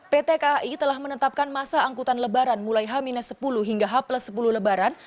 pt kai telah menetapkan masa angkutan lebaran mulai h sepuluh hingga h sepuluh lebaran